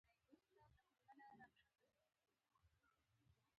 ترموز د ملګرو مجلس تود ساتي.